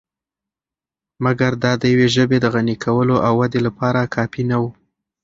مګر دا دیوې ژبې د غني کولو او ودې لپاره کافی نه وو .